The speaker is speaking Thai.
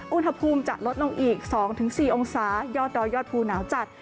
อุณหภูมิจะลดลงอีกสองถึงสี่องศายอดดอยอดภูนาวจัด